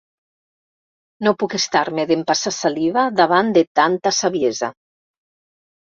No puc estar-me d'empassar saliva davant de tanta saviesa.